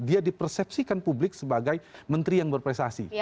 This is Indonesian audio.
dia di persepsikan publik sebagai menteri yang berprestasi